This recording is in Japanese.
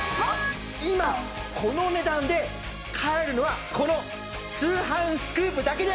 今このお値段で買えるのはこの『通販スクープ』だけです！